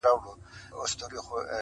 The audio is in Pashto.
د شر ډکه تولنه خو بې شوره ده ټولنه